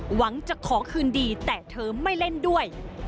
หวังจะขอคืนดีแต่เธอไม่เล่นด้วย